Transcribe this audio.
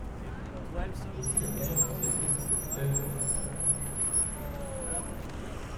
Aussi la meilleure société se trouve-t-elle dans ses salons!